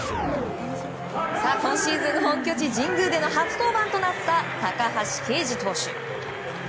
今シーズン本拠地神宮で初登板となった高橋奎二投手。